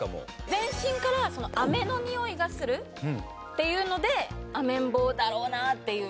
全身から飴のにおいがするっていうのでアメンボだろうなっていう。